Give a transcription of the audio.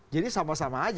jadi sama sama aja gitu